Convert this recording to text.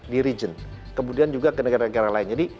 di region kemudian juga ke negara negara lain